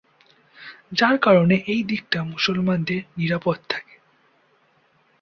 যার কারণে এই দিকটা মুসলমানদের নিরাপদ থাকে।